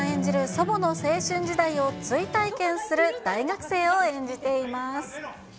祖母の青春時代を追体験する大学生を演じています。